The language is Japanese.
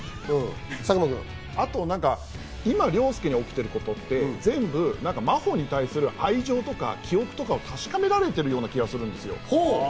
今、凌介に起きてることって全部、真帆に対する愛情とか記憶とかを確かめられてる気がするんですよ。